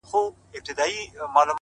د دنيا حسن په څلورو دېوالو کي بند دی!!